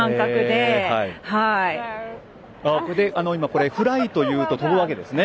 そして、フライと言うと飛ぶわけですね。